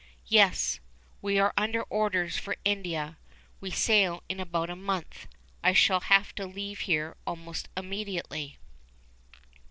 "Yes. We are under orders for India. We sail in about a month. I shall have to leave here almost immediately."